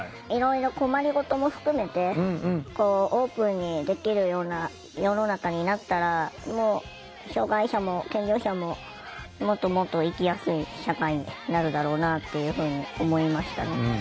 いろいろ困り事も含めてオープンにできるような世の中になったら障害者も健常者ももっともっと生きやすい社会になるだろうなっていうふうに思いましたね。